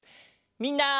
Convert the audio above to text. みんな。